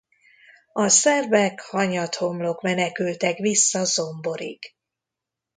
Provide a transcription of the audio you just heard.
A szerbek hanyatt-homlok menekültek vissza Zomborig.